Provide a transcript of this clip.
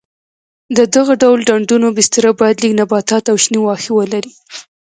د دغه ډول ډنډونو بستره باید لږ نباتات او شین واښه ولري.